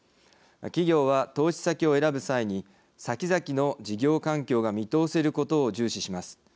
企業は投資先を選ぶ際にさきざきの事業環境が見通せることを重視します。